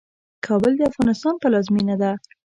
کابل د افغانستان پلازمينه ده.